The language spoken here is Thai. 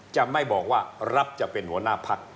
จะไม่บอกว่ารับจะเป็นหัวหน้าพัก